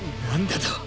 なんだと！？